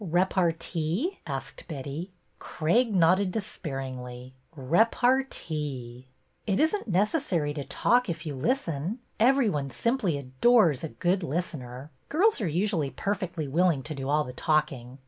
" Repartee? " asked Betty. Craig nodded despairingly. " Repartee !"" It is n't necessary to talk if you listen. Every one simply adores a good listener. Girls are usu ally perfectly willing to do all the talking.